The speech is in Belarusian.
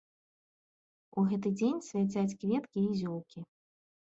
У гэты дзень свяцяць кветкі і зёлкі.